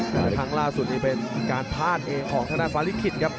แต่ครั้งล่าสุดนี้เป็นการพลาดเองของทางด้านฟ้าลิขิตครับ